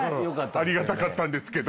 ありがたかったんですけど。